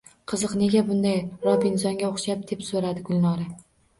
— Qiziq… Nega bunday… Robinzonga oʼxshab? — deb soʼradi Gulnora.